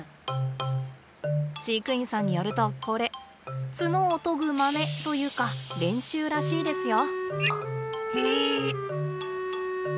飼育員さんによるとこれ角を研ぐまねというか練習らしいですよ。